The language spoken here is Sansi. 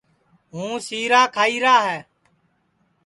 ہُوں سیرا کھائیرا ہے